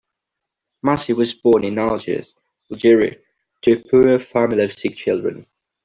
Massi was born in Algiers, Algeria to a poor family of six children.